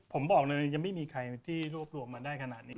ผมบอกเลยยังไม่มีใครที่รวบรวมมาได้ขนาดนี้